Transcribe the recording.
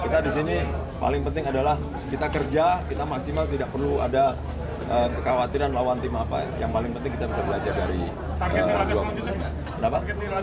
kita di sini paling penting adalah kita kerja kita maksimal tidak perlu ada kekhawatiran lawan tim apa yang paling penting kita bisa belajar dari dua menit